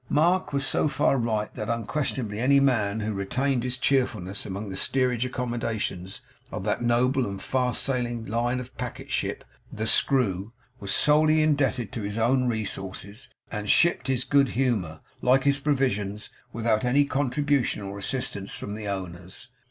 Mark was so far right that unquestionably any man who retained his cheerfulness among the steerage accommodations of that noble and fast sailing line of packet ship, 'THE SCREW,' was solely indebted to his own resources, and shipped his good humour, like his provisions, without any contribution or assistance from the owners.